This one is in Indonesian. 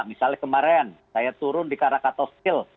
misalnya kemarin saya turun di karakatosil